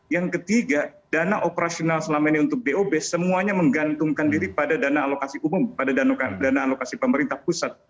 yang ketiga dana operasional selama ini untuk dob semuanya menggantungkan diri pada dana alokasi umum pada dana alokasi pemerintah pusat